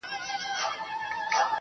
o ه ياره د څراغ د مــړه كولو پــه نـيت.